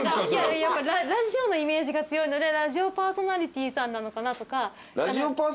やっぱラジオのイメージが強いのでラジオパーソナリティーさんなのかなとか。